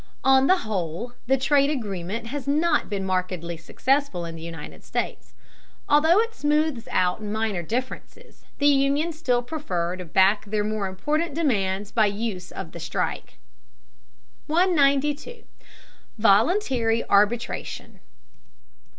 On the whole, the trade agreement has not been markedly successful in the United States. Although it smoothes out minor differences, the unions still prefer to back their more important demands by use of the strike. 192. VOLUNTARY ARBITRATION.